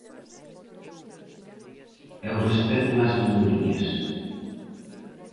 É o respecto ás minorías.